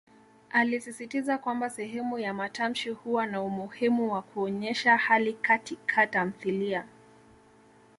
Alisisitiza kwamba sehemu ya matamshi huwa na umuhimu wa kuonyesha hali Kati ka tamthilia.